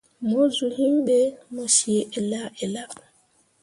Mo zuu yim be mo cii ella ella.